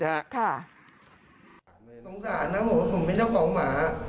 สงสารนะผมว่าผมเป็นเจ้าของหมา